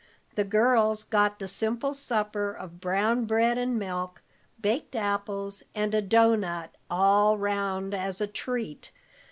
The girls got the simple supper of brown bread and milk, baked apples, and a doughnut all 'round as a treat.